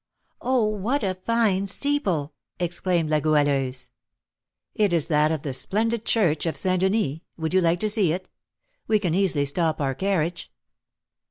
"Oh, what a fine steeple!" exclaimed La Goualeuse. "It is that of the splendid church of St. Denis: would you like to see it? We can easily stop our carriage."